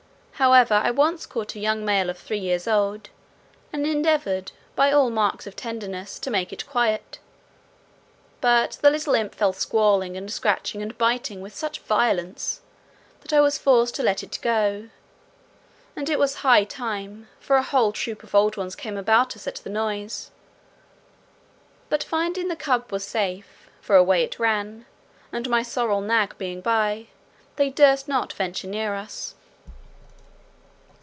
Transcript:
However, I once caught a young male of three years old, and endeavoured, by all marks of tenderness, to make it quiet; but the little imp fell a squalling and scratching and biting with such violence, that I was forced to let it go; and it was high time, for a whole troop of old ones came about us at the noise, but finding the cub was safe (for away it ran), and my sorrel nag being by, they durst not venture near us.